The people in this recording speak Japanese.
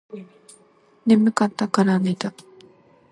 眠かったらから寝た